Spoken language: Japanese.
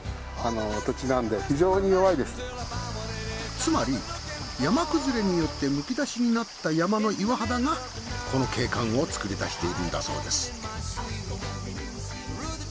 つまり山崩れによってむき出しになった山の岩肌がこの景観を作り出しているんだそうです。